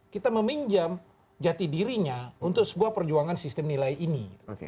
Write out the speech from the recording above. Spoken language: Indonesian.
kita meminjam jati dirinya untuk sebuah perjuangan sistem nilai ini